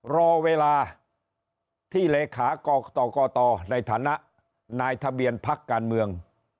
รอเวลาที่เลขากรกตในฐานะนายทะเบียนพักการเมือง